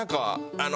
あの。